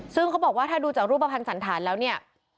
ซึ่งเขาบอกว่าถ้าดูจากรูปภัณฑ์สันธารแล้วเนี่ย